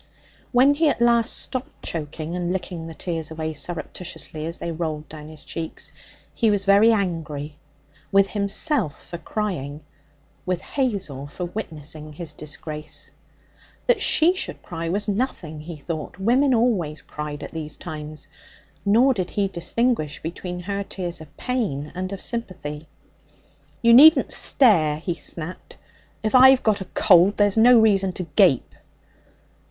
When he at last stopped choking and licking the tears away surreptitiously as they rolled down his cheeks, he was very angry with himself for crying, with Hazel for witnessing his disgrace. That she should cry was nothing, he thought. Women always cried at these times. Nor did he distinguish between her tears of pain and of sympathy. 'You needn't stare,' he snapped. 'If I've got a cold, there's no reason to gape.'